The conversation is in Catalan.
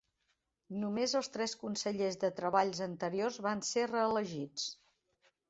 Només els tres consellers de treball anteriors van ser reelegits.